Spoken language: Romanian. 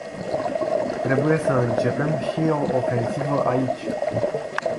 Trebuie să începem și o ofensivă aici.